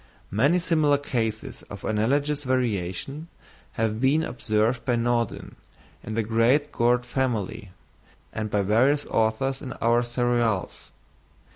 Many similar cases of analogous variation have been observed by Naudin in the great gourd family, and by various authors in our cereals.